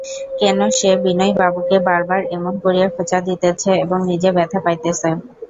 কেন সে বিনয়বাবুকে বার বার এমন করিয়া খোঁচা দিতেছে এবং নিজে ব্যথা পাইতেছে?